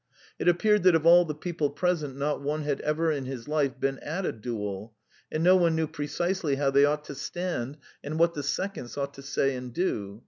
It appeared that of all the people present not one had ever in his life been at a duel, and no one knew precisely how they ought to stand, and what the seconds ought to say and do.